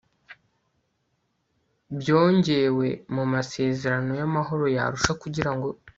byongewe mu masezerano y amahoro y Arusha kugira ngo